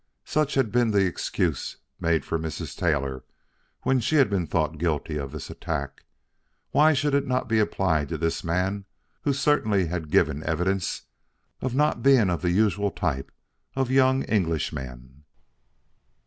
Such had been the excuse made for Mrs. Taylor when she had been thought guilty of this attack; why should it not be applied to this man who certainly had given evidences of not being of the usual type of young Englishman?